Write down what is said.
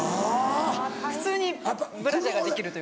普通にブラジャーができるというか。